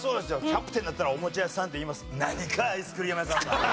キャプテンだったらおもちゃ屋さんって言います。